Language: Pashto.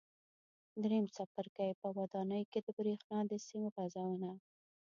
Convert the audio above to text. درېیم څپرکی: په ودانیو کې د برېښنا د سیم غځونه